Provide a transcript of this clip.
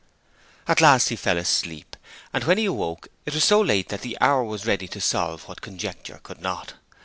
At last he fell asleep; and when he awoke it was so late that the hour was ready to solve what conjecture could not.